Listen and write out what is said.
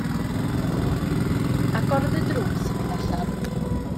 Agorodd y drws i fynd allan.